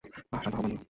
আহ, শান্ত হও, বন্ধু।